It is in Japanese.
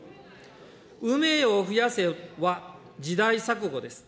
産めよ殖やせは時代錯誤です。